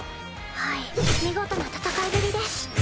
はい見事な戦いぶりです。